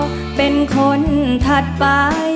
เขาเป็นคนถัดไป